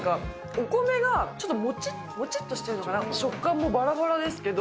お米がちょっともちっとしているのかな、食感もばらばらですけど。